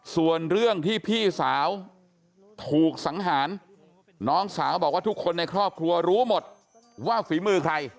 ส่วนเรื่องที่พี่สาวถูกสังหารน้องสาวบอกว่าทุกคนในครอบครัวรู้หมดว่าฝีมือใคร